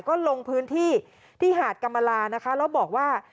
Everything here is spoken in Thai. ก็ลงพื้นที่ที่หาดกรรมลานะคะแล้วบอกว่า